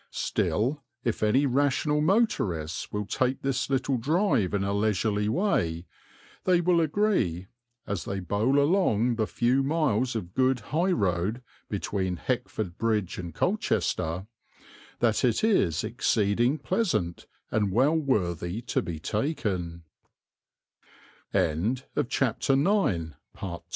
Still, if any rational motorists will take this little drive in a leisurely way, they will agree, as they bowl along the few miles of good high road between Heckford Bridge and Colchester, that it is exceeding pleasant and well worthy to be taken. CHAPTER IX (continued) COLC